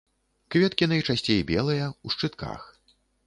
Кветкі найчасцей белыя, у шчытках.